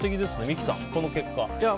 三木さん、この結果は。